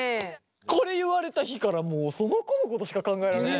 これ言われた日からもうその子のことしか考えられないね。